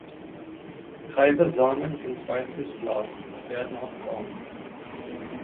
Reife Samen sind weiß bis blau, werden auch braun.